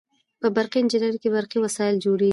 په برقي انجنیری کې برقي وسایل جوړیږي.